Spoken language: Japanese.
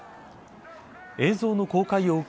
映像の公開を受け